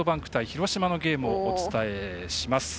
広島のゲームをお伝えします。